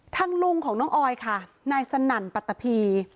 ลุงของน้องออยค่ะนายสนั่นปัตตะพี